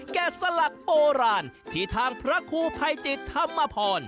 สลักโบราณที่ทางพระครูภัยจิตธรรมพร